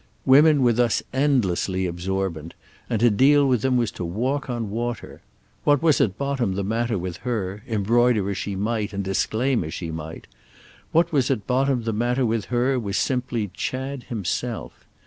Women were thus endlessly absorbent, and to deal with them was to walk on water. What was at bottom the matter with her, embroider as she might and disclaim as she might—what was at bottom the matter with her was simply Chad himself.